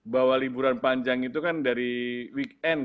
bahwa liburan panjang itu kan dari weekend